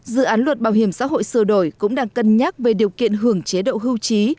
dự án luật bảo hiểm xã hội sửa đổi cũng đang cân nhắc về điều kiện hưởng chế độ hưu trí